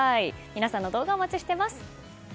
皆さんの動画、お待ちしています。